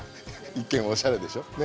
一見おしゃれでしょ？ね。